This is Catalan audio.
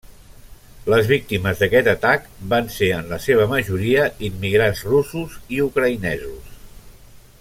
Les víctimes d'aquest atac van ser en la seva majoria immigrants russos i ucraïnesos.